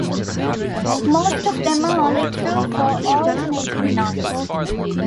Most of them are only true for alternating knots.